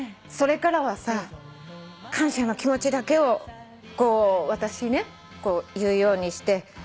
それからはさ感謝の気持ちだけを私ね言うようにして。